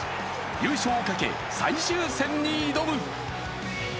優勝をかけ、最終戦に挑む。